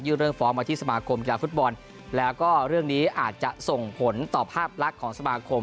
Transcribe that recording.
เรื่องฟ้องมาที่สมาคมกีฬาฟุตบอลแล้วก็เรื่องนี้อาจจะส่งผลต่อภาพลักษณ์ของสมาคม